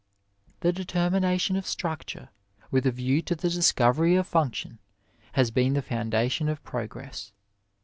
The determination of structure with a view to the dis covery of function has been the foundation of progress.